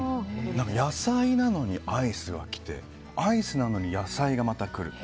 野菜なのにアイスが来てアイスなのに野菜がまた来る。